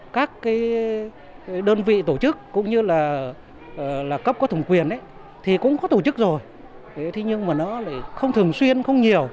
các đơn vị tổ chức cũng như là cấp có thùng quyền thì cũng có tổ chức rồi nhưng mà nó không thường xuyên không nhiều